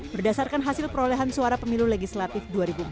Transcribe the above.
berdasarkan hasil perolehan suara pemilu legislatif dua ribu empat belas